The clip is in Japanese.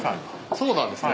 そうなんですね。